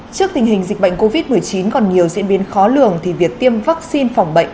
trước tình hình dịch bệnh covid một mươi chín còn nhiều diễn biến khó lường thì việc tiêm vaccine phòng bệnh